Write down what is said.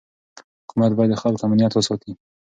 حکومت باید د خلکو امنیت وساتي.